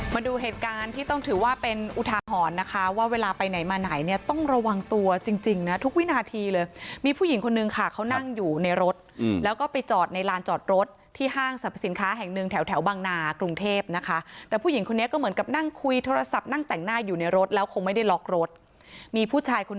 มาดูเหตุการณ์ที่ต้องถือว่าเป็นอุทาหรณ์นะคะว่าเวลาไปไหนมาไหนเนี่ยต้องระวังตัวจริงจริงนะทุกวินาทีเลยมีผู้หญิงคนนึงค่ะเขานั่งอยู่ในรถแล้วก็ไปจอดในลานจอดรถที่ห้างสรรพสินค้าแห่งหนึ่งแถวแถวบางนากรุงเทพนะคะแต่ผู้หญิงคนนี้ก็เหมือนกับนั่งคุยโทรศัพท์นั่งแต่งหน้าอยู่ในรถแล้วคงไม่ได้ล็อกรถมีผู้ชายคน